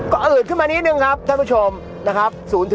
ก็อืดขึ้นมานิดนึงครับท่านผู้ชมนะครับ